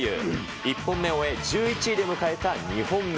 １本目を終え、１１位で迎えた２本目。